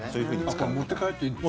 あっ、これ持って帰っていいんですか？